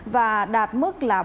và đạt mức là